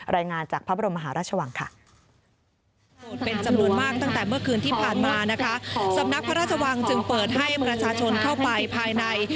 รายงานจากพระบรมมหาราชวังค่ะ